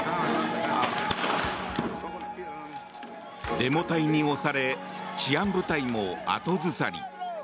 デモ隊に押され治安部隊も後ずさり。